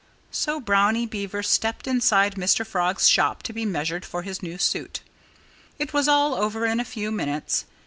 So Brownie Beaver stepped inside Mr. Frog's shop to be measured for his new suit. It was all over in a few minutes.